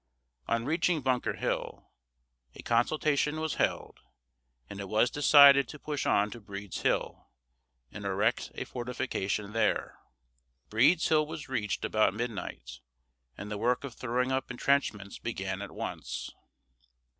On reaching Bunker Hill, a consultation was held, and it was decided to push on to Breed's Hill, and erect a fortification there. Breed's Hill was reached about midnight, and the work of throwing up intrenchments began at once.